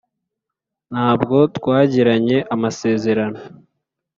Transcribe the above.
"ntabwo twagiranye amasezerano?"